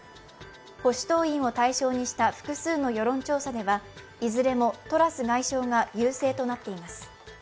保守党員を対象にした複数の世論調査ではいずれもトラス外相が優勢となっています。